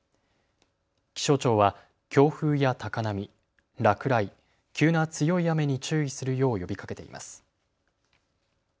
気象庁は強風や高波、落雷、急な強い雨に注意するよう呼びかけています。